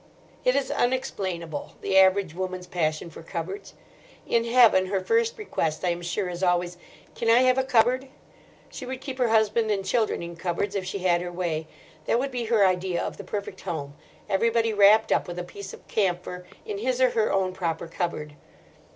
It is unexplainable, the average woman's passion for cupboards. In heaven, her first request, I am sure, is always, "Can I have a cupboard?" She would keep her husband and children in cupboards if she had her way: that would be her idea of the perfect home, everybody wrapped up with a piece of camphor in his or her own proper cupboard.